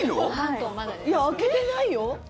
明けてないよ。